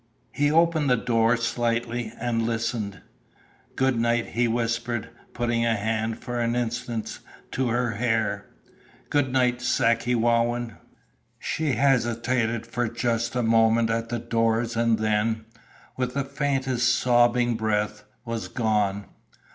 He opened the door slightly, and listened. "Good night," he whispered, putting a hand for an instant to her hair. "Good night, Sakewawin." She hesitated for just a moment at the doors and then, with the faintest sobbing breath, was gone.